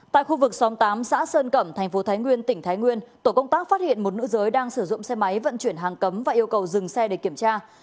tại khu vực xóm tám xã sơn cẩm thành phố thái nguyên tỉnh thái nguyên tổ công tác phát hiện một nữ giới đang sử dụng xe máy vận chuyển hàng cấm và yêu cầu dừng xe để kiểm tra